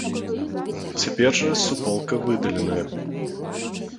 Цяпер жа суполка выдаленая.